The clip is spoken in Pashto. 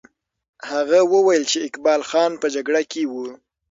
هغه وویل چې اقبال خان په جګړه کې وو.